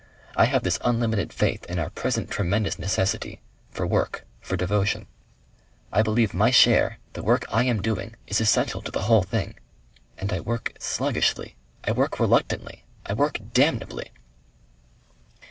I have this unlimited faith in our present tremendous necessity for work for devotion; I believe my share, the work I am doing, is essential to the whole thing and I work sluggishly. I work reluctantly. I work damnably."